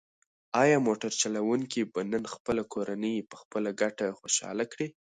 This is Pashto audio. ایا موټر چلونکی به نن خپله کورنۍ په خپله ګټه خوشحاله کړي؟